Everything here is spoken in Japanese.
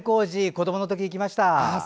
子どものとき行きました。